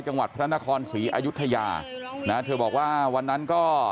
จังหวัดพระนครศรีอายุทยานะเธอบอกว่าวันนั้นก็